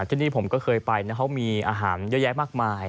ที่นี่ผมก็เคยไปนะเขามีอาหารเยอะแยะมากมาย